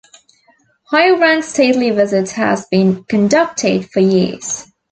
High rank stately visits has been conducted for years.